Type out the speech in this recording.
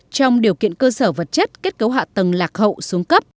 trong điều kiện cơ sở vật chất kết cấu hạ tầng lạc hậu xuống cấp